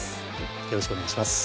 よろしくお願いします